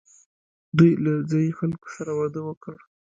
دوی له ځايي خلکو سره واده وکړ